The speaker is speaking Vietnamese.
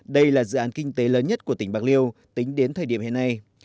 đây là dự án kinh tế lớn nhất của tỉnh bạc liêu tính đến thời điểm hiện nay